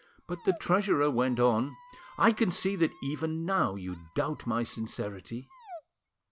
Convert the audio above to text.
But the treasurer went on— "I can see that even now you doubt my sincerity."